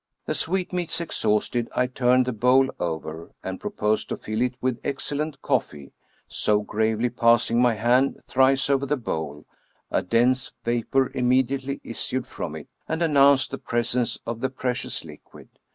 The sweetmeats exhausted, I turned the bowl over, and proposed to fill it with excellent coffee ; so, gravely passing my hand thrice over the bowl, a dense vapor immediately issued from it, and announced the presence of the precious liquid.